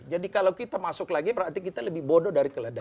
kalau kita masuk lagi berarti kita lebih bodoh dari keledak